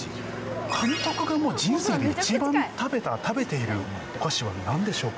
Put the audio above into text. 監督が、もう人生で一番食べているお菓子はなんでしょうか？